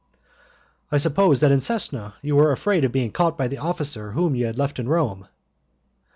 "I suppose that in Cesena you were afraid of being caught by the officer whom you had left in Rome?"